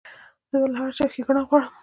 زه له هر چا ښېګڼه غواړم.